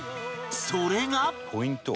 それが